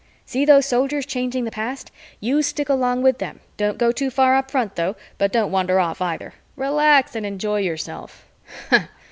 "See those Soldiers changing the past? You stick along with them. Don't go too far up front, though, but don't wander off either. Relax and enjoy yourself."